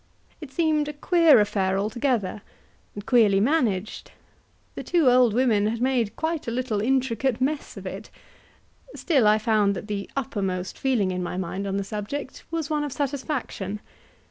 It seemed a queer affair altogether, and queerly managed; the two old women had made quite a little intricate mess of it; still I found that the uppermost feeling in my mind on the subject was one of satisfaction.